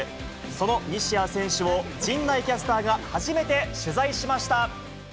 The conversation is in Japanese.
その西矢選手を、陣内キャスターが初めて取材しました。